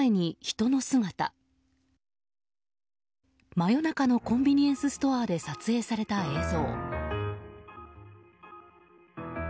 真夜中のコンビニエンスストアで撮影された映像。